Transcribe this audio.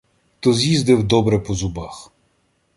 То з'їздив добре по зубах.